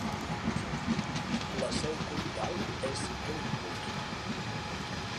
La seu comtal és Clintwood.